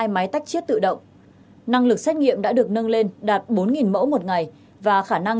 hai máy tách chiết tự động năng lực xét nghiệm đã được nâng lên đạt bốn mẫu một ngày và khả năng